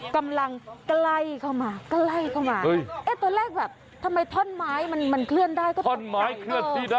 กำลังไกลเข้ามาไกลเข้ามาตอนแรกแบบทำไมถ้อนไม้มันเคลื่อนได้ก็ตกกลง